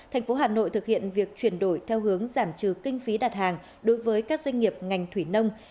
thành phố hà nội thực hiện việc chuyển đổi theo hướng giảm trừ kinh phí đặt hàng đối với các doanh nghiệp ngành thủy nông